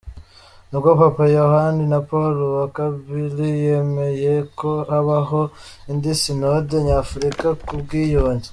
Nibwo Papa Yohani Paulo wa kabili, yemeye ko habaho indi sinode-nyafurika k’ubwiyunge.